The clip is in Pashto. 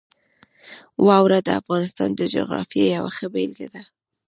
واوره د افغانستان د جغرافیې یوه ښه بېلګه ده.